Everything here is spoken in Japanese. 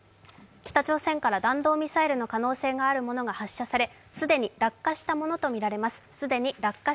北朝鮮から弾道ミサイルの可能性があるものが発射され既に落下したものとみられます。